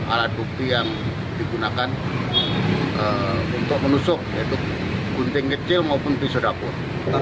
alat bukti yang digunakan untuk menusuk yaitu gunting kecil maupun pisau dapur